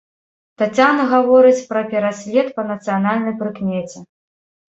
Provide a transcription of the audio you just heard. Таццяна гаворыць пра пераслед па нацыянальнай прыкмеце.